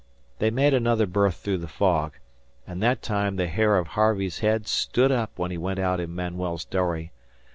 They made another berth through the fog, and that time the hair of Harvey's head stood up when he went out in Manuel's dory.